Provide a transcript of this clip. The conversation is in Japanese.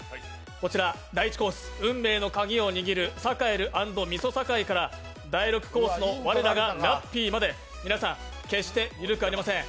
こちら第１コース、運命のカギを握るサカエル＆みそさかいから第６コースの我らがラッピーまで皆さん、決してゆるくありません。